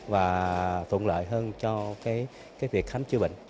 và tồn lợi hơn cho cái việc khám chữa bệnh